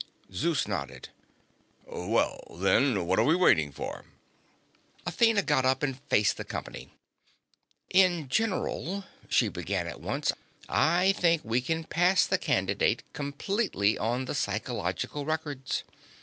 Zeus nodded. "Well, then, what are we waiting for?" Athena got up and faced the company. "In general," she began at once, "I think we can pass the candidate completely on the psychological records.